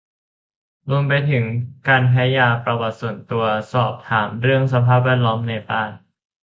รวมไปถึงการแพ้ยา ประวัติส่วนตัว สอบถามเรื่องสภาพแวดล้อมในบ้าน